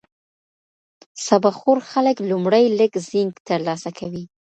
سابه خور خلک لومړی لږ زینک ترلاسه کوي.